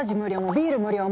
ビール無料も！